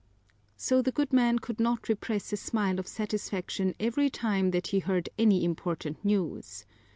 So the good man could not repress a smile of satisfaction every time that he heard any important news.